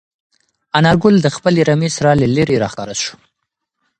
انارګل د خپلې رمې سره له لیرې راښکاره شو.